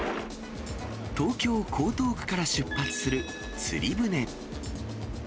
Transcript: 東京・江東区から出発する釣り船。